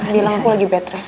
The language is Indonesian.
bilang aku lagi bed rest